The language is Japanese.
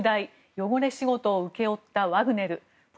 汚れ仕事を請け負ったワグネル。